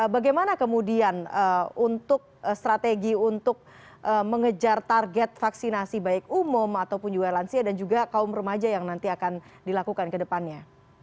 bagaimana kemudian untuk strategi untuk mengejar target vaksinasi baik umum ataupun juga lansia dan juga kaum remaja yang nanti akan dilakukan ke depannya